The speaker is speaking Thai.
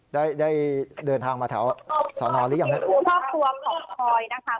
ได้ได้เดินทางมาเท่าสนอหรือยังพ่อคอย